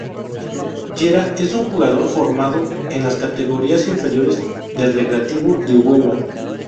Llera es un jugador formado en las categorías inferiores del Recreativo de Huelva.